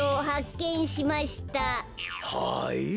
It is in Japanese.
はい？